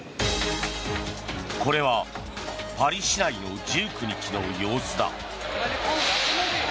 これはパリ市内の１９日の様子だ。